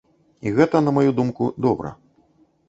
І гэта, на маю думку, добра.